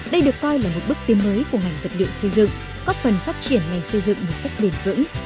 đây được coi là một bước tiến mới của ngành vật liệu xây dựng góp phần phát triển ngành xây dựng một cách bền vững